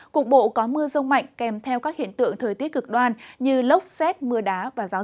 cục bộ có mưa rông mạnh kèm theo các hiện tượng thời tiết cực đoan như lốc xét mưa đá và gió giật mạnh